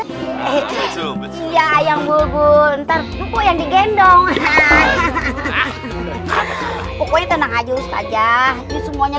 hai hehehe iya yang bubur ntar dupo yang digendong pokoknya tenang aja ustazah semuanya